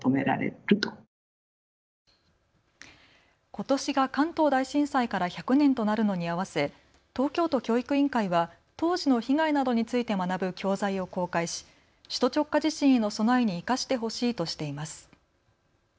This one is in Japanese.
ことしが関東大震災から１００年となるのに合わせ東京都教育委員会は当時の被害などについて学ぶ教材を公開し首都直下地震への備えに生かしてほしいとしています。